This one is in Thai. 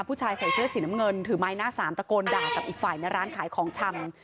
ผู้ชายใส่เสื้อสีน้ำเงินถือไม้หน้าสามตะโกนด่ากับอีกฝ่ายในร้านขายของชำ